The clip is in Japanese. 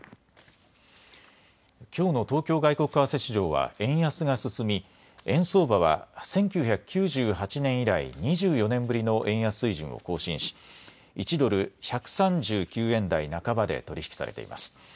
きょうの東京外国為替市場は円安が進み円相場は１９９８年以来、２４年ぶりの円安水準を更新し１ドル１３９円台半ばで取り引きされています。